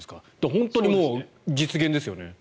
本当にもう実現ですよね。